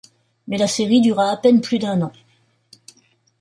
Mais la série dura à peine plus d'un an.